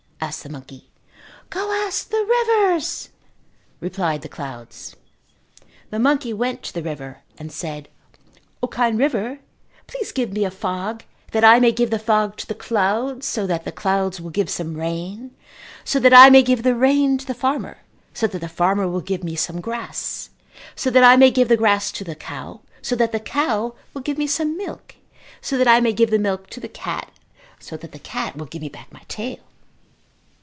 asked the monkey. "Go ask the rivers," replied the clouds. The monkey went to the river and said, "O, kind river, please give me a fog that I may give the fog to the clouds so that the clouds will give some rain so that I may give the rain to the farmer so that the farmer will give me some grass so that I may give the grass to the cow so that the cow will give me some milk so that I may give the milk to the cat so that the cat will give me back my tail."